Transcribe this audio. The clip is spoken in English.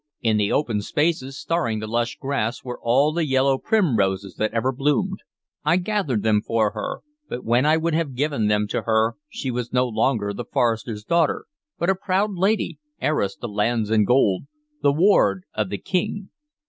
In the open spaces, starring the lush grass, were all the yellow primroses that ever bloomed. I gathered them for her, but when I would have given them to her she was no longer the forester's daughter, but a proud lady, heiress to lands and gold, the ward of the King.